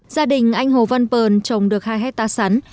gia đình anh hồ văn pờn trồng được hai hectare sắn